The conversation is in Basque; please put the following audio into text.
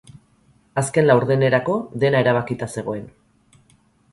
Azken laurdenerako, dena erabakita zegoen.